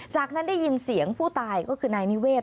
จากนั้นได้ยินเสียงผู้ตายก็คือนายนิเวศ